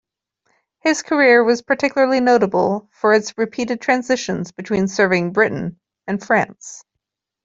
His career was particularly notable for its repeated transitions between serving Britain and France.